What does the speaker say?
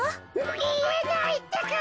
みえないってか。